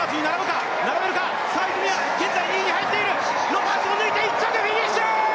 ロバーツを抜いて１着フィニッシュ！